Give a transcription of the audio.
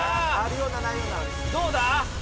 どうだ？